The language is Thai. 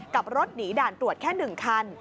กับรถหนีด่านตรวจแค่๑คัน